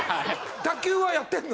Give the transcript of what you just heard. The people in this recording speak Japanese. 卓球はやってるの？